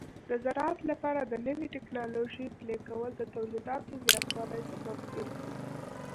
د زراعت لپاره د نوې ټکنالوژۍ پلي کول د تولیداتو زیاتوالي سبب ګرځي.